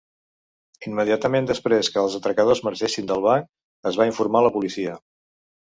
Immediatament després que els atracadors marxessin del banc, es va informar la policia.